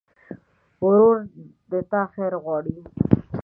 ورور د تا خیر غواړي.